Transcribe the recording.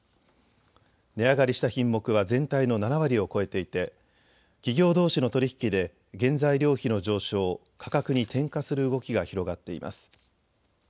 値上がりした品目は全体の７割を超えていて企業どうしの取り引きで原材料費の上昇を価格に転嫁する動きが広がっています。